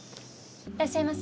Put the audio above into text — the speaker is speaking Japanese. いらっしゃいませ。